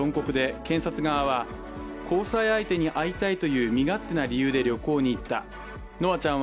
検察側は交際相手に会いたいという身勝手な理由で旅行に行った。